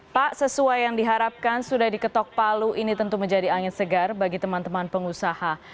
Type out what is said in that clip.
pak sesuai yang diharapkan sudah diketok palu ini tentu menjadi angin segar bagi teman teman pengusaha